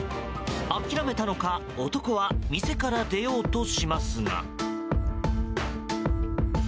諦めたのか男は店から出ようとしますが。